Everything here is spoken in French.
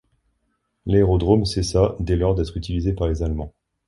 L'aérodrome cessa dès lors d'être utilisé par les Allemands.